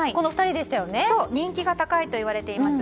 人気が高いと言われています